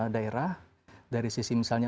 daerah dari sisi misalnya